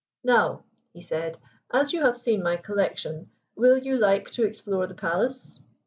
"Now," he said, "as you have seen my collection, will you like to explore the palace?"